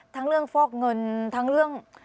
ทั้งเรื่องฟอกเงินทั้งเรื่อง